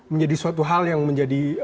menjadi suatu hal yang menjadi